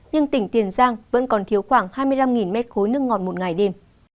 nhưng tỉnh tiền giang vẫn còn thiếu khoảng hai mươi năm mét khối nước ngọt một ngày đêm